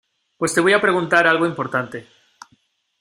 pues te voy a preguntar algo importante.